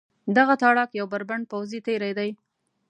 دغه تاړاک یو بربنډ پوځي تېری دی.